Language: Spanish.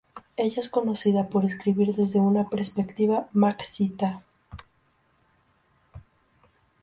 Ella es conocida por escribir desde una perspectiva marxista.